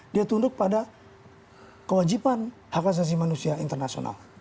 dia tunduk pada kewajiban hak asasi manusia internasional